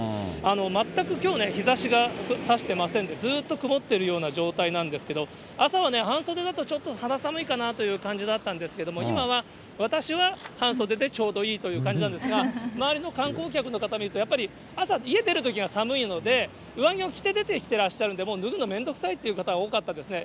全くきょうね、日ざしがさしてませんで、ずっと曇っているような状態なんですけれども、朝は半袖だとちょっと肌寒いかなという感じだったんですけれども、今は私は半袖でちょうどいいという感じなんですが、周りの観光客の方見ると、やっぱり朝、家出るときは寒いので、上着を着て出てきてらっしゃるんで、脱ぐのがめんどくさいという方が多かったですね。